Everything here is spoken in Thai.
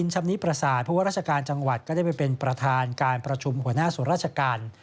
ชำนิประสาทเพราะว่าราชการจังหวัดก็ได้ไปเป็นประธานการประชุมหัวหน้าส่วนราชการ